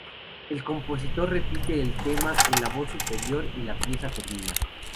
El compositor repite el tema en la voz superior y la pieza termina.